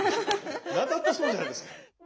何だってそうじゃないですか。ハハハ！